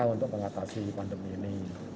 untuk mengatasi pandemi ini